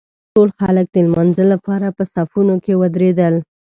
ټول خلک د لمانځه لپاره په صفونو کې ودرېدل.